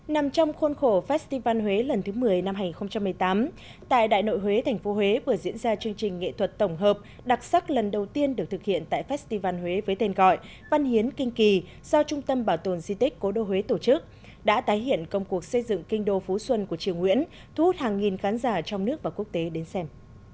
nằm trong khuôn khổ festival huế lần thứ một mươi năm hai nghìn một mươi tám tại đại nội huế tp huế vừa diễn ra chương trình nghệ thuật tổng hợp đặc sắc lần đầu tiên được thực hiện tại festival huế với tên gọi văn hiến kinh kỳ do trung tâm bảo tồn di tích cổ đô huế tổ chức đã tái hiện công cuộc xây dựng kinh đô phú xuân của triều nguyễn thu hút hàng nghìn khán giả trong nước và quốc tế đến xem